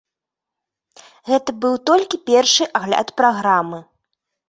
Гэта быў толькі першы агляд праграмы.